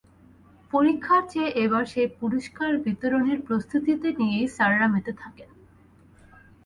পরীক্ষার চেয়ে এবার সেই পুরস্কার বিতরণীর প্রস্ত্ততি নিয়েই স্যাররা মেতে থাকেন।